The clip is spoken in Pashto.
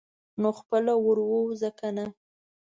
نو خپله ور ووځه کنه.